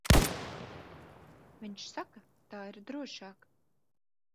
Viņš saka, tā ir drošāk.